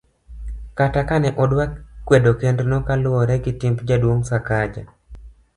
kata kane odwa kwedo kend no kaluwore gi timbe jaduong' Sakaja